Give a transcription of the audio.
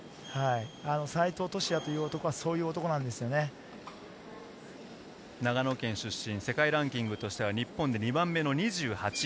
西藤俊哉という長野県出身、世界ランキングとしては日本で２番目の２８位。